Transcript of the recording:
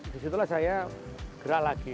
di situlah saya gerak lagi